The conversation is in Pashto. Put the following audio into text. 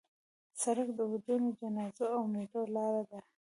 سړک د ودونو، جنازو او میلو لاره ده.